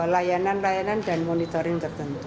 layanan layanan dan monitoring tertentu